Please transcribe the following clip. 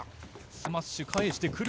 スマッシュ返してくる。